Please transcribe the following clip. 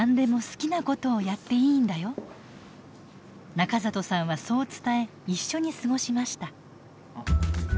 中里さんはそう伝え一緒に過ごしました。